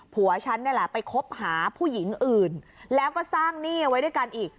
ผัวฉันนี่แหละไปคบหาผู้หญิงอื่นแล้วก็สร้างหนี้เอาไว้ด้วยกันอีก